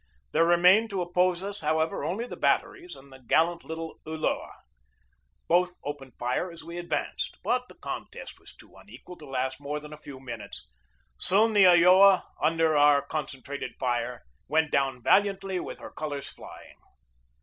There remained to oppose us, however, only the bat teries and the gallant little Ulloa. Both opened fire as we advanced. But the contest was too unequal to last more than a few minutes. Soon the Ulloa, under our concentrated fire, went down valiantly with her colors flying.